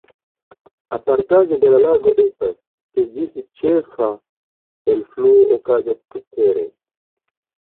Apartaĵo de la lago estas, ke ĝis ĉefa elfluo okazas subtere.